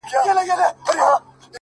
دحزب اسلامي قايد